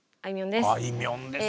あいみょんです！